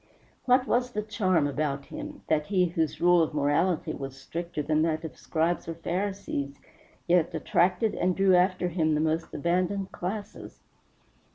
What was the charm about him, that he whose rule of morality was stricter than that of Scribes or Pharisees yet attracted and drew after him the most abandoned classes?